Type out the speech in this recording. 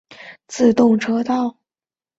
东海北陆自动车道。